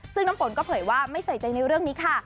ซึ่งน้ำฝนก็เผยว่าไม่ใส่ใจในเรื่องนี้ค่ะ